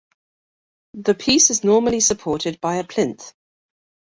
The piece is normally supported by a plinth.